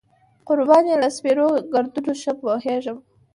قربان یې له سپېرو ګردونو شم، پوهېږې.